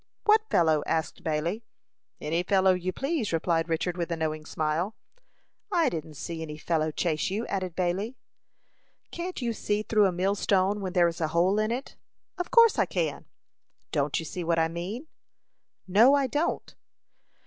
"What fellow?" asked Bailey. "Any fellow you please," replied Richard, with a knowing smile. "I didn't see any fellow chase you," added Bailey, innocently. "Can't you see through a millstone when there is a hole in it?" "Of course I can." "Don't you see what I mean?" "No, I don't."